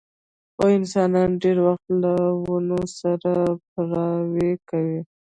خو انسانان ډېر وخت له ونو سره بې پروايي کوي.